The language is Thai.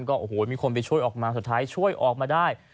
ก็โอ้โหมีคนไปช่วยออกมาสุดท้ายช่วยออกมาได้